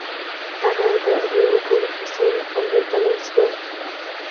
هغه د عادي وګړو په څېر اورېدلای شول.